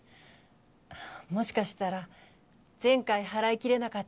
もしかしたら前回祓いきれなかった生霊の。